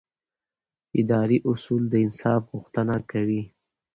اداري اصول د انصاف غوښتنه کوي.